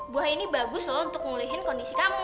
buah ini bagus loh untuk ngulihin kondisi kamu